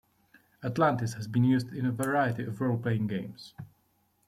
Atlantis has been used in a variety of role playing games.